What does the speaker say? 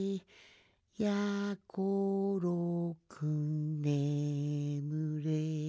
「やころくんねむれ」